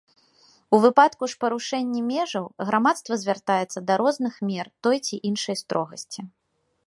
У выпадку ж парушэнні межаў грамадства звяртаецца да розных мер той ці іншай строгасці.